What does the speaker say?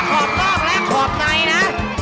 คอบคอบและคอบในนะ